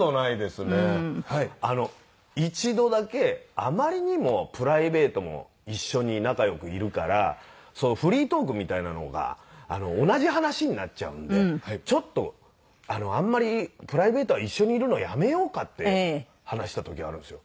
一度だけあまりにもプライベートも一緒に仲良くいるからフリートークみたいなのが同じ話になっちゃうんでちょっとあんまりプライベートは一緒にいるのやめようかって話した時があるんですよ。